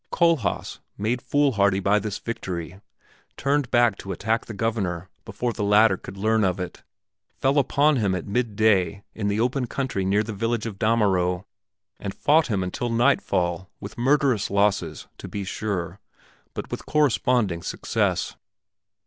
Kohlhaas, made foolhardy by this victory, turned back to attack the Governor before the latter could learn of it, fell upon him at midday in the open country near the village of Damerow, and fought him until nightfall, with murderous losses, to be sure, but with corresponding success.